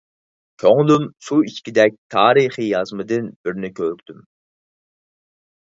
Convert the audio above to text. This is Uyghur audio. كۆڭلۈم سۇ ئىچكۈدەك تارىخىي يازمىدىن بىرنى كۆردۈم.